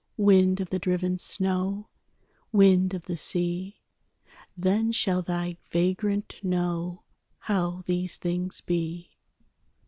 Wind of the driven snow, Wind of the sea, Then shall thy vagrant know How these things be.